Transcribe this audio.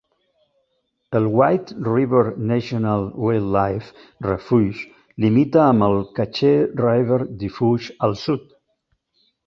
El White River National Wildlife Refuge limita amb el Cache River Refuge al sud.